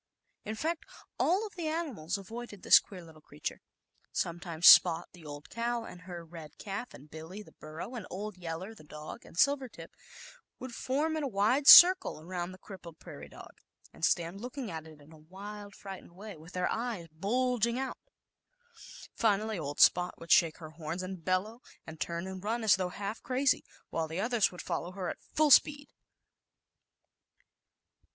In fact, all of the animals avoided this queer little creature. Sometimes Spot, the old cow, arid her red calf and Billy, the burro, and old "Teller," the dog, and Silvertip, would form in a wide circle around the crippled prairie dog and stand looking at ii^in a ^ILM ZAUBERLINDA, THE WISE WITCH. wild, frightened way, with their eyes ^*^^^[^"^ ^^^M ^^^ ^I^P^^k bulging out/ 1 \ Ss s Finally old Spot would shake her horns and bellow, and turn and run as though half crazy, while the others would follow her at full speed.